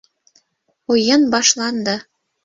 Уйын башланды.